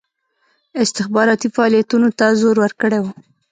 استخباراتي فعالیتونو ته زور ورکړی وو.